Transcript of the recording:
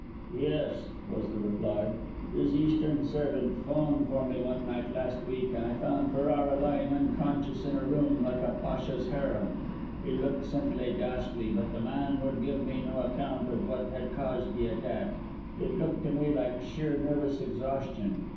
"Yes," was the reply. "His Eastern servant 'phoned for me one night last week; and I found Ferrara lying unconscious in a room like a pasha's harem. He looked simply ghastly, but the man would give me no account of what had caused the attack. It looked to me like sheer nervous exhaustion.